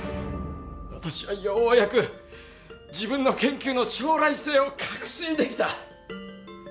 私はようやく自分の研究の将来性を確信できた。